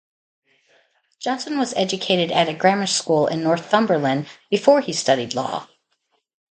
Johnson was educated at a grammar school in Northumberland before he studied law.